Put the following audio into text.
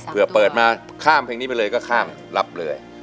เพื่อเปิดมาข้ามเพลงนี้ไปเลยก็ข้ามรับเลย